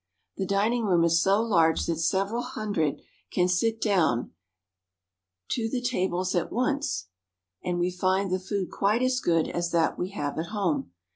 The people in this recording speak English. The dining room is so large that several hun dred can sit down to the tables at once, and we find the food quite as good as that we have at home.